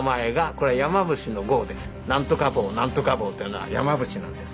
なんとか坊なんとか坊というのは山伏なんです。